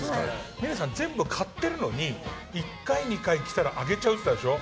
峰さん、全部買ってるのに１回２回着たらあげちゃうって言ってたでしょ。